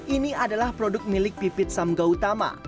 ini adalah produk milik pipit samgautama